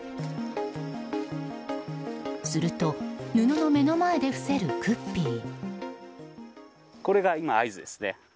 すると、布の目の前で伏せるクッピー。